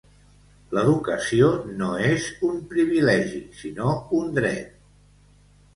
L'educació no és un privilegi, sinó un dret.